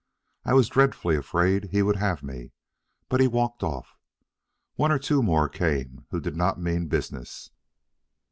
I was dreadfully afraid he would have me; but he walked off. One or two more came who did not mean business.